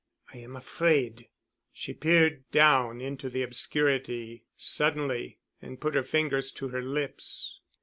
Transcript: I am afraid——" She peered down into the obscurity suddenly and put her fingers to her lips.